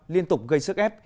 liên tục gây sức ép